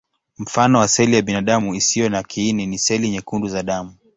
Mfano wa seli ya binadamu isiyo na kiini ni seli nyekundu za damu.